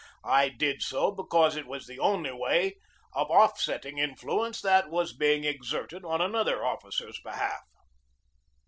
I did so be cause it was the only way of offsetting influence that was being exerted on another officer's behalf."